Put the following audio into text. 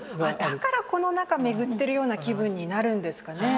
だからこの中巡ってるような気分になるんですかね。